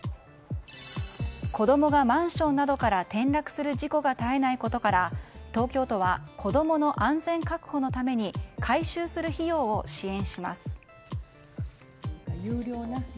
子供がマンションなどから転落する事故が絶えないことから東京都は子供の安全確保のために改修する費用を支援します。